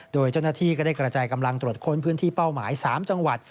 โดยเจ้าหน้าที่ก็ได้กระจายกำลังตรวจค้นพื้นที่เป้าหมาย๓จังหวัด